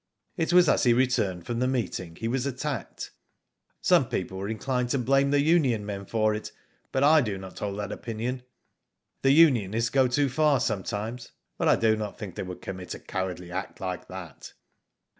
It was as he returned from the meeting he was attacked. Some people were inclined to blame the union men for it, but I do not hold that opinion. The unionists go too far sometimes, but I do not think they would commit a cowardly act like that."